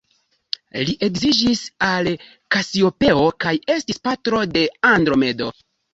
Li edziĝis al Kasiopeo, kaj estis patro de Andromedo.